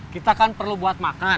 kita kan perlu buat makan